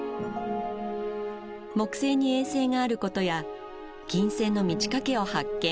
木星に衛星があることや金星の満ち欠けを発見